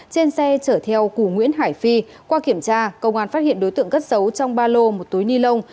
trên xe chở theo cù nguyễn hải phi qua kiểm tra công an phát hiện đối tượng cất xấu trong ba lô một túi ni lông